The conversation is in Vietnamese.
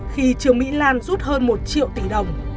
khi trương mỹ lan rút hơn một triệu tỷ đồng